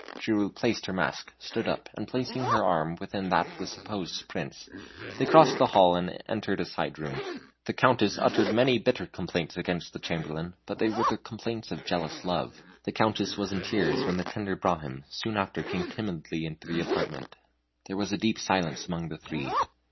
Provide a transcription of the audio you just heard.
She replaced her mask, stood up, and placing her arm within that of the supposed Prince, they crossed the hall and entered a side room. The Countess uttered many bitter complaints against the Chamberlain, but they were the complaints of jealous love. The Countess was in tears, when the tender Brahmin soon after came timidly into the apartment. There was a deep silence among the three.